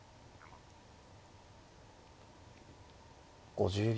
５０秒。